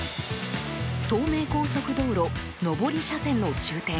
東名高速道路上り車線の終点